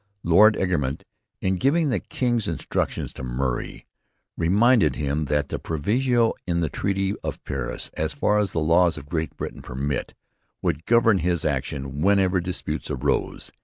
Lord Egremont, in giving the king's instructions to Murray, reminded him that the proviso in the Treaty of Paris as far as the Laws of Great Britain permit should govern his action whenever disputes arose.